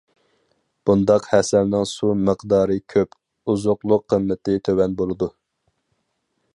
بۇنداق ھەسەلنىڭ سۇ مىقدارى كۆپ، ئوزۇقلۇق قىممىتى تۆۋەن بولىدۇ.